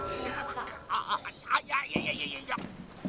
ああいやいやいやいや。